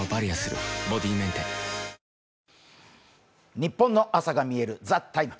ニッポンの朝がみえる「ＴＨＥＴＩＭＥ，」。